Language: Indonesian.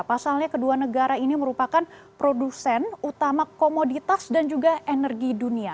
pasalnya kedua negara ini merupakan produsen utama komoditas dan juga energi dunia